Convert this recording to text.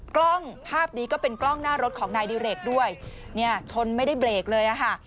กล้องภาพนี้ก็เป็นกล้องหน้ารถของนายดิเรกด้วยเนี่ยชนไม่ได้เบรกเลยอ่ะค่ะ